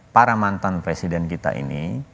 para mantan presiden kita ini